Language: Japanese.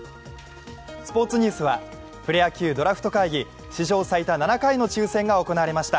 スポーツニュースはプロ野球ドラフト会議、史上最多７回の抽選が行われました。